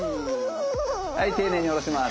はい丁寧に下ろします。